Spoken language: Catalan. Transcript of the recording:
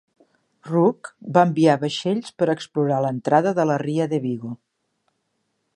Rooke va enviar vaixells per explorar l'entrada de la ria de Vigo.